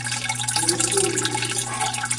Eu sei